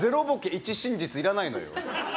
１真実いらないのよ。